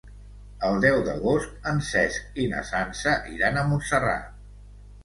El deu d'agost en Cesc i na Sança iran a Montserrat.